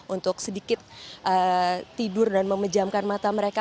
untuk sedikit tidur dan memejamkan mata mereka